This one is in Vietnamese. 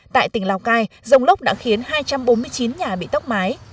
tại tỉnh lào cai rông lốc đã khiến hai trăm bốn mươi chín nhà bị tốc mái